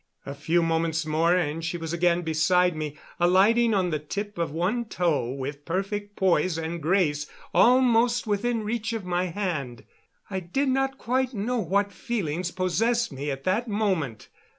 A few moments more, and she was again beside me, alighting on the tip of one toe with perfect poise and grace almost within reach of my hand. I do not quite know what feelings possessed me at that moment.